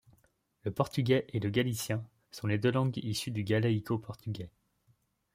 Le portugais et le galicien sont les deux langues issues du galaïco-portugais.